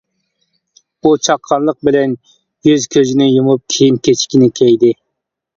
ئۇ، چاققانلىق بىلەن يۈز-كۆزىنى يۇيۇپ، كىيىم-كېچىكىنى كىيدى.